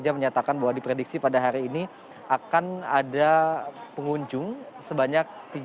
yang menyatakan bahwa diprediksi pada hari ini akan ada pengunjung sebanyak tiga puluh tiga puluh lima orang